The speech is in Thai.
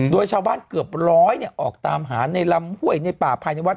โดยชาวบ้านเกือบร้อยออกตามหาในลำห้วยในป่าภายในวัด